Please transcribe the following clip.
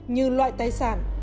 như loại tài sản